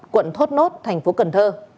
quận thốt nốt tp hcm